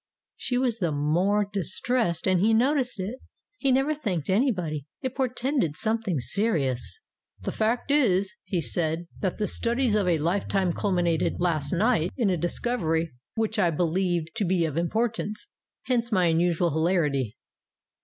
She was the more distressed and he noticed it. He never thanked any body. It portended something serious. "The fact is," he said, "that the studies of a life time culminated last night in a discovery which I be lieve to be of importance. Hence my unusual hilarity."